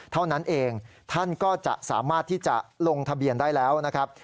เท่านั้นเองท่านก็จะสามารถที่จะลงทะเบียนได้แล้วนะครับ